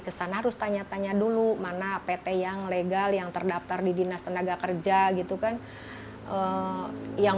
kesana harus tanya tanya dulu mana pt yang legal yang terdaftar di dinas tenaga kerja gitu kan yang